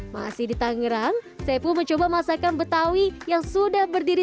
masih di tangerang saya pun mencoba masakan betawi yang sudah berdiri